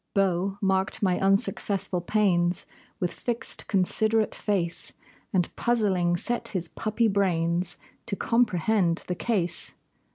Beau marked my unsuccessful pains With fixed, considerate face, And puzzling, set his puppy brains To comprehend the case.